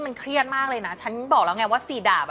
มันเครียดมากเลยนะฉันบอกแล้วไงว่าสี่ดาบ